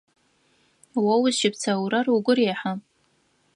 О узыщыпсэурэр угу рехьа?